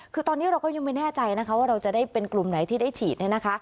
คือตอนนี้เราก็ยังไม่แน่ใจนะคะว่าเราจะได้เป็นกลุ่มไหนที่ได้ฉีดเนี่ยนะคะ